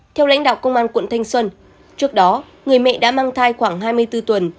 theo lãnh đạo công an quận thanh xuân trước đó người mẹ đã mang thai khoảng hai mươi bốn tuần